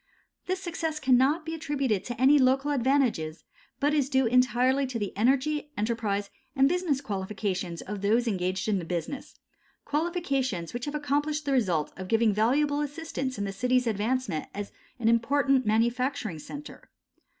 This success cannot be attributed to any local advantages, but is due entirely to the energy, enterprise and business qualifications of those engaged in the business, qualifications which have accomplished the result of giving valuable assistance in the city's advancement as an important manufacturing centre.